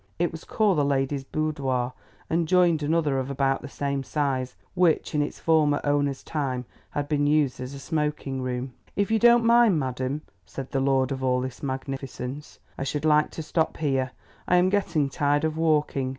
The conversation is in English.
It was called the Lady's Boudoir, and joined another of about the same size, which in its former owner's time had been used as a smoking room. "If you don't mind, madam," said the lord of all this magnificence, "I should like to stop here, I am getting tired of walking."